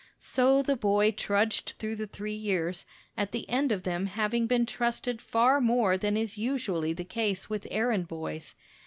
So the boy trudged through the three years, at the end of them having been trusted far more than is usually the case with errand boys.